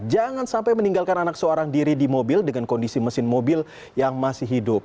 jangan sampai meninggalkan anak seorang diri di mobil dengan kondisi mesin mobil yang masih hidup